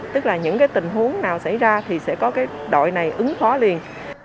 tức là những tình huống nào xảy ra thì sẽ có cái đội này ứng phó liền